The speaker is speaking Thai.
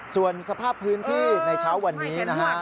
ส่วนสภาพพื้นที่ในเช้าวันนี้นะฮะ